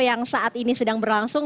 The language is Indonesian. yang saat ini sedang berlangsung